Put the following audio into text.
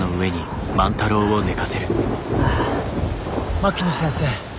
槙野先生。